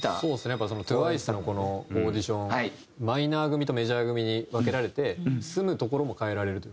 やっぱＴＷＩＣＥのこのオーディションマイナー組とメジャー組に分けられて住む所も変えられるというか。